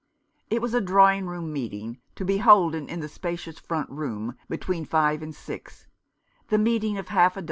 It was a drawing room meeting, to be holden in the spacious front room between five and six, the meeting of half a do.